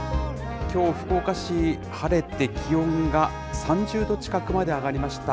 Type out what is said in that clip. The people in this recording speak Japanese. きょう、福岡市、晴れて、気温が３０度近くまで上がりました。